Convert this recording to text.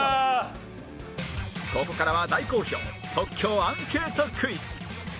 ここからは大好評即興アンケートクイズ